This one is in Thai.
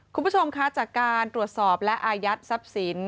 คุณผู้ชมคะจากการตรวจสอบและอายัดทรัพย์สิน